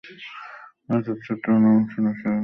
অজাতশত্রু নাম শুনেছ এলা।